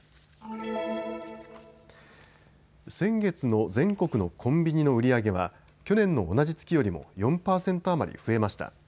先月の全国のコンビニの売り上げは去年の同じ月よりも４％余り増えました。